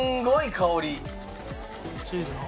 チーズの？